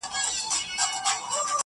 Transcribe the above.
ستا دپښو سپين پايزيبونه زما بدن خوري,